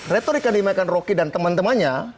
retorika yang dimaikan roki dan teman temannya